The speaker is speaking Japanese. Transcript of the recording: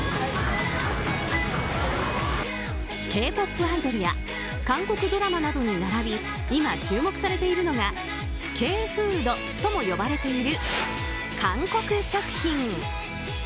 Ｋ‐ＰＯＰアイドルや韓国ドラマなどに並び今、注目されているのがＫフードとも呼ばれている韓国食品。